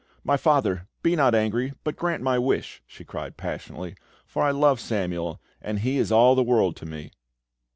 "My father! Be not angry, but grant my wish!" she cried passionately, "for I love Samuel, and he is all the world to me!"